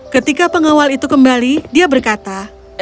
ketika pengawal itu kembali dia berkata